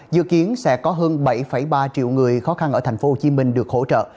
dự kiến sẽ có hơn bảy ba triệu người khó khăn ở thành phố hồ chí minh được hỗ trợ